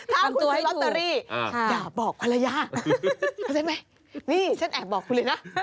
คำตัวให้ถูกถามคุณคุณลอตเตอรี่อย่าบอกภรรยาเพราะฉะนั้นไหมนี่ฉันแอบบอกคุณเลยนะ